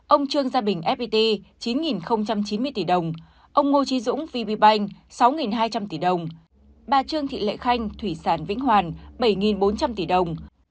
ông trương gia bình fpt chín chín mươi tỷ đồng ông ngô trí dũng vb bank sáu hai trăm linh tỷ đồng bà trương thị lệ khanh thủy sản vĩnh hoàn bảy bốn trăm linh tỷ đồng